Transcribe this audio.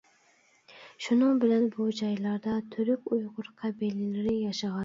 شۇنىڭ بىلەن بۇ جايلاردا تۈرك، ئۇيغۇر قەبىلىلىرى ياشىغان.